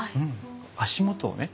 足元をね